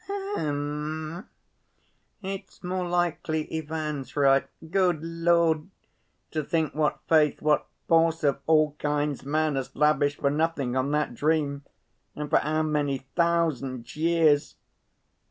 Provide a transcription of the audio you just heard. "H'm! It's more likely Ivan's right. Good Lord! to think what faith, what force of all kinds, man has lavished for nothing, on that dream, and for how many thousand years.